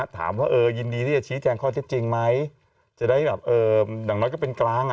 ถามว่ายินดีที่จะชี้แจ้งข้อเจ็บจริงไหมจะได้แบบดังน้อยก็เป็นกลาง